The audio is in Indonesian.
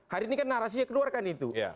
hari ini kan narasinya keluarkan itu